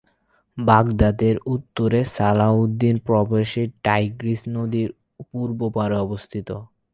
বাগদাদের উত্তরে সালাহউদ্দিন প্রদেশে টাইগ্রিস নদীর পূর্ব পাড়ে অবস্থিত।